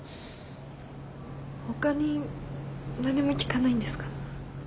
他に何も聞かないんですか？